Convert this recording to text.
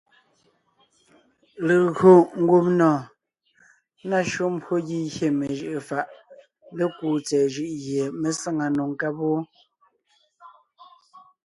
Legÿo ngumnɔɔn ná shÿó mbwó gígyé mejʉʼʉ fàʼ lékúu tsɛ̀ɛ jʉʼ gie mé sáŋa nò nkáb wó.